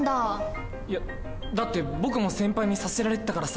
いやだって僕も先輩にさせられてたからさ。